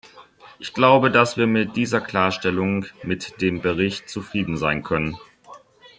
Ich glaube, dass wir mit dieser Klarstellung mit dem Bericht zufrieden sein können.